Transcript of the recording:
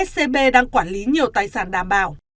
đây đang quản lý nhiều tài sản đảm bảo